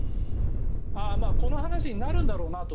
この話になるんだろうなと。